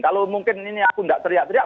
kalau mungkin ini aku tidak teriak teriak